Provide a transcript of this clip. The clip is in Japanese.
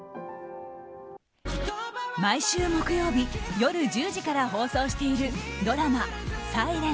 毎週木曜日夜１０時から放送しているドラマ「ｓｉｌｅｎｔ」。